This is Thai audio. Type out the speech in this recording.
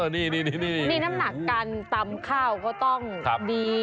นี่น้ำหนักการตำข้าวก็ต้องดี